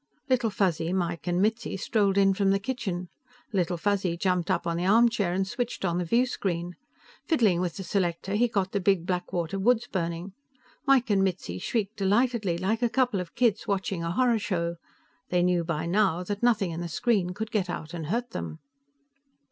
Little Fuzzy, Mike and Mitzi strolled in from the kitchen. Little Fuzzy jumped up on the armchair and switched on the viewscreen. Fiddling with the selector, he got the Big Blackwater woods burning. Mike and Mitzi shrieked delightedly, like a couple of kids watching a horror show. They knew, by now, that nothing in the screen could get out and hurt them.